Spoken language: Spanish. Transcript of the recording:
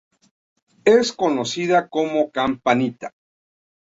Es conocida como "Campanita.